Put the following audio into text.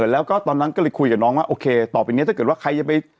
แล้วก็ตอนนั้นก็เลยคุยกับน้องว่าโอเคต่อไปนี้ถ้าเกิดว่าใครจะไป